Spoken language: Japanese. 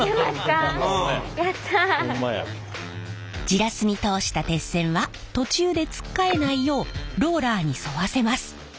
ジラスに通した鉄線は途中でつっかえないようローラーに沿わせます。